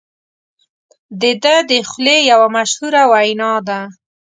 د ده د خولې یوه مشهوره وینا ده.